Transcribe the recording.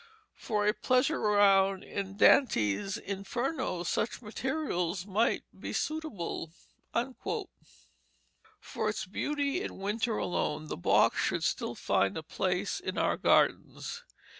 For a pleasure ground in Dante's Inferno such materials might be suitable." For its beauty in winter alone, the box should still find a place in our gardens.